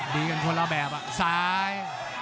ดีกันคนละแบบซ้าย